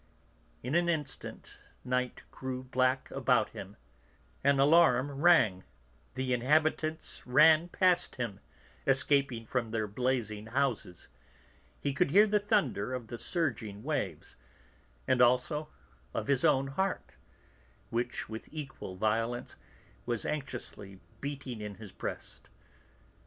In an instant night grew black about him; an alarum rang, the inhabitants ran past him, escaping from their blazing houses; he could hear the thunder of the surging waves, and also of his own heart, which, with equal violence, was anxiously beating in his breast.